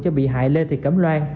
cho bị hại lê thị cẩm loan